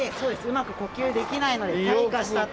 うまく呼吸できないので退化したと。